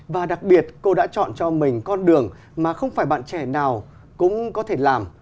và đặc biệt cô đã chọn cho mình con đường mà không phải bạn trẻ nào cũng có thể làm